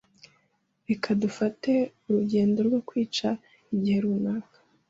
Reka dufate urugendo rwo kwica igihe runaka.